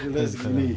iya ini dulu segini